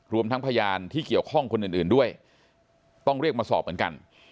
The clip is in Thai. รวมทั้งพยานที่เกี่ยวข้องคนอื่นด้วยต้องเรียกมาสอบเหมือนกัน